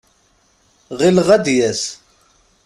Ɣileɣ ad d-yas.